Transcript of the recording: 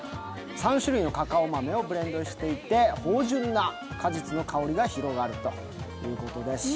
３種類のカカオ豆をブレンドしていて芳じゅんな果実の香りが広がるということです。